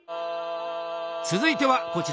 続いてはこちら。